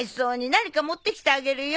何か持ってきてあげるよ。